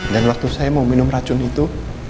dan waktu saya mau minum racun itu